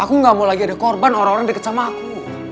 aku gak mau lagi ada korban orang orang dekat sama aku